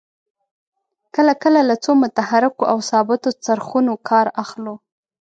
کله کله له څو متحرکو او ثابتو څرخونو کار اخلو.